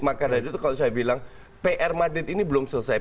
maka dari itu kalau saya bilang pr madrid ini belum selesai